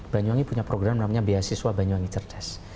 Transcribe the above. banyuwangi punya program namanya beasiswa banyuwangi cerdas